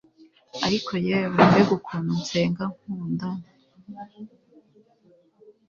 ariko yewe, mbega ukuntu nsenga nkunda